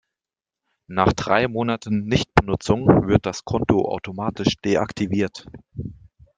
Nach drei Monaten Nichtbenutzung wird das Konto automatisch deaktiviert.